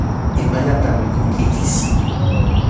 Imallatam mikhunkichik.